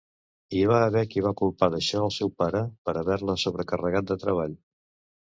Hi va haver qui va culpar d'això el seu pare, per haver-la sobrecarregat de treball.